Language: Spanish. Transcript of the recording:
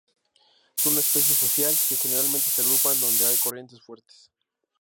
Son una especie social, que generalmente se agrupan donde hay corrientes fuertes.